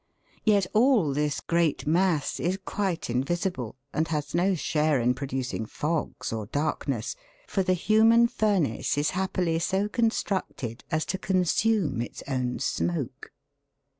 Yet all this great mass is quite in visible and has no share in producing fogs or darkness, for the human furnace is happily so constructed as to consume its own smoke.